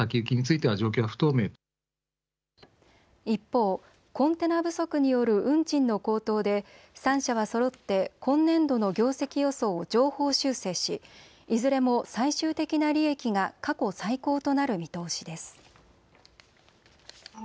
一方、コンテナ不足による運賃の高騰で３社はそろって今年度の業績予想を上方修正しいずれも最終的な利益が過去最高となる見通しです。